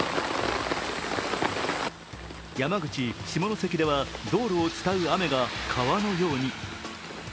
山口・下関では道路を伝う雨が川のように。